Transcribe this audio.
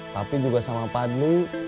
tapi juga sama padli